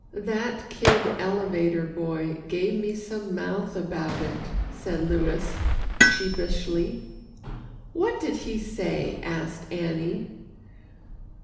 "That kid elevator boy gave me some mouth about it," said Louis sheepishly. "What did he say?" asked Annie.